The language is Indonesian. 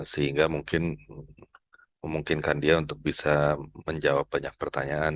sehingga mungkin memungkinkan dia untuk bisa menjawab banyak pertanyaan